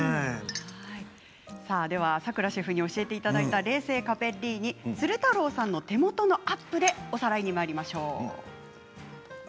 さくらシェフに教えていただいた冷製カペッリーニ鶴太郎さんの手元のアップでおさらいにまいりましょう。